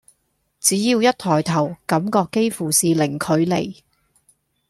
只要一抬頭，感覺幾乎是零距離